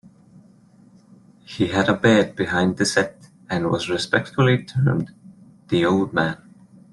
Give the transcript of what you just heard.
He had a bed behind the set, and was respectfully termed The Old Man.